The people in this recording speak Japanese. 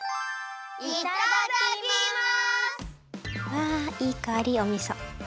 うわいいかおりおみそ。